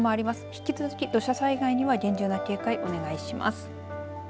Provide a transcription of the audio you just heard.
引き続き土砂災害には厳重な警戒お願いします。